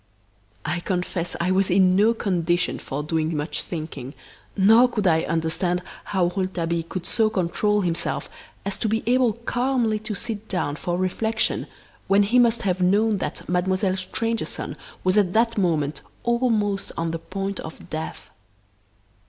I confess I was in no condition for doing much thinking, nor could I understand how Rouletabille could so control himself as to be able calmly to sit down for reflection when he must have known that Mademoiselle Stangerson was at that moment almost on the point of death.